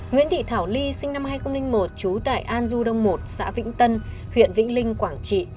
nguyễn thị thảo ly sinh năm hai nghìn một trú tại an du đông một xã vĩnh tân huyện vĩnh linh quảng trị